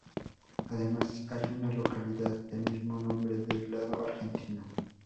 Además, hay una localidad del mismo nombre del lado argentino.